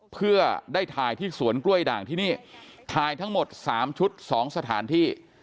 เพื่อได้ถ่ายที่สวนกล้วยด่างที่นี่ถ่ายทั้งหมด๓ชุด๒สถานที่